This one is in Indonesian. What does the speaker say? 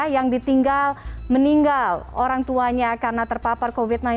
yang ditinggal meninggal orang tuanya karena terpapar covid sembilan belas